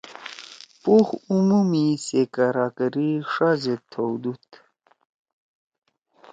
پوخ عُمُو می سے کراکُری ݜا زید تھؤدُود